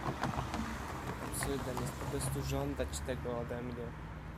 "Absurdem jest poprostu żądać tego ode mnie."